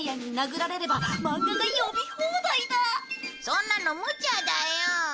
そんなのむちゃだよ！